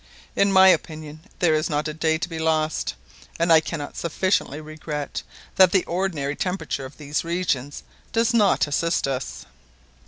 In my opinion there is not a day to be lost, and I cannot sufficiently regret that the ordinary temperature of these regions does not assist us."